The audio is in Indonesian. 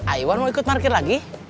ayoan mau ikut market lagi